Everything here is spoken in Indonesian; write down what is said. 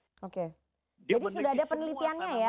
jadi sudah ada penelitiannya ya